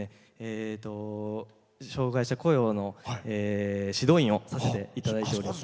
障害者雇用の指導員をさせていただいています。